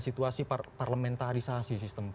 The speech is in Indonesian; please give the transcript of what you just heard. situasi parlementarisasi sistem